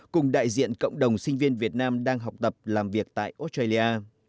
cùng đại diện cộng đồng sinh viên việt nam đang học tập làm việc tại australia